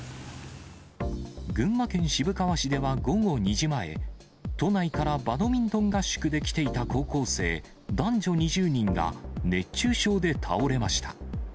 群馬県渋川市では午後２時前、都内からバドミントン合宿で来ていた高校生男女２０人が、熱中症で倒れました。